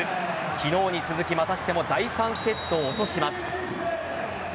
昨日に続き、またしても第３セットを落とします。